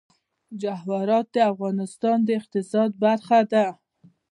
جواهرات د افغانستان د اقتصاد برخه ده.